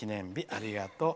ありがとう。